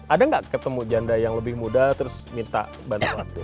ada nggak ketemu janda yang lebih muda terus minta bantuan